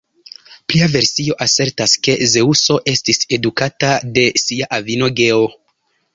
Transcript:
Plia versio asertas, ke Zeŭso estis edukata de sia avino Geo.